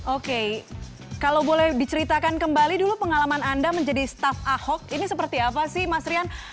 oke kalau boleh diceritakan kembali dulu pengalaman anda menjadi staff ahok ini seperti apa sih mas rian